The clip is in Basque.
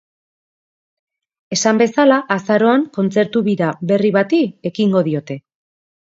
Esan bezala, azaroan kontzertu bira berri bati ekingo diote.